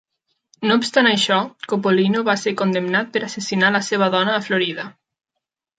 No obstant això, Coppolino va ser condemnat per assassinar la seva dona a Florida.